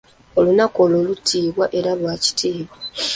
Olunaku olwo tutiibwa era lwa kitiibwa.